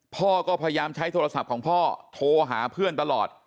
พ่อก็พยายามใช้โทรศัพท์ของพ่อโทรหาเพื่อนตลอด